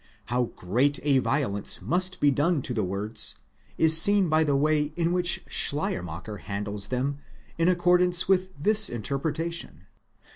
How great a violence must be done to the words is seen by the way in which Schleiermacher handles them in accordance with this interpre tation.